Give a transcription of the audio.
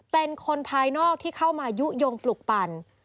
เป็นคนภายนอกที่เข้ามายุโยงปลุกปั่น